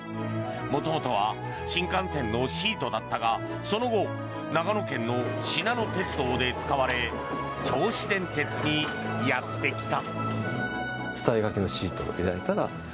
元々は新幹線のシートだったがその後長野県のしなの鉄道で使われ銚子電鉄にやってきた。